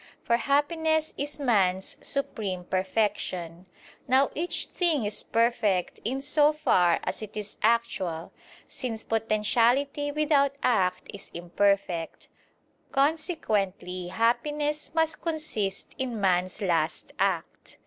For happiness is man's supreme perfection. Now each thing is perfect in so far as it is actual; since potentiality without act is imperfect. Consequently happiness must consist in man's last act.